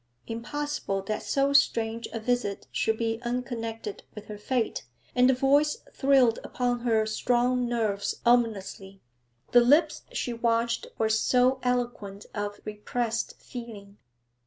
Impossible that so strange a visit should be unconnected with her fate. And the voice thrilled upon her strung nerves ominously; the lips she watched were so eloquent of repressed feeling.